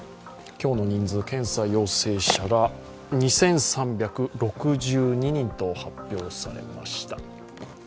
今日の人数、検査陽性者が２３６２人と発表されました。